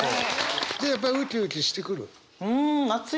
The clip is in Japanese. じゃあやっぱウキウキしてくる？